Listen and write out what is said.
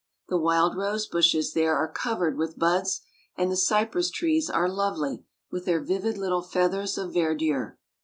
The wild rose bushes there are covered with buds; and the cypress trees are lovely with their vivid little feathers of verdure.